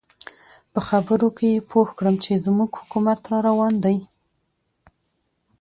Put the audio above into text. په خبرو کې یې پوه کړم چې زموږ حکومت را روان دی.